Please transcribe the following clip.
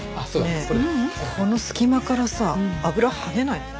ねえこの隙間からさ油跳ねないの？